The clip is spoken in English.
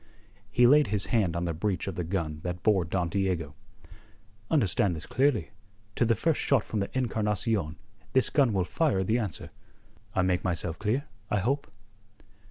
He laid his hand on the breech of the gun that bore Don Diego. "Understand this clearly: to the first shot from the Encarnacion this gun will fire the answer. I make myself clear, I hope?"